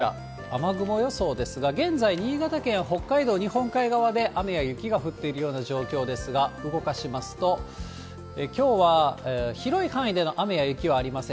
では、こちら、雨雲予想ですが、現在、新潟県、北海道、日本海側で雨や雪が降っているような状況ですが、動かしますと、きょうは広い範囲での雨や雪はありません。